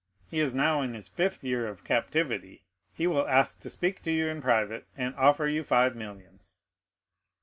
He is now in his fifth year of captivity; he will ask to speak to you in private, and offer you five millions."